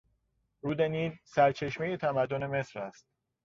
رود نیل سرچشمهی تمدن مصر است.